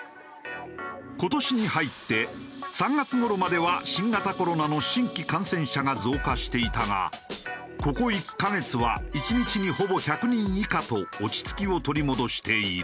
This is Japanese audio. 今年に入って３月頃までは新型コロナの新規感染者が増加していたがここ１カ月は１日にほぼ１００人以下と落ち着きを取り戻している。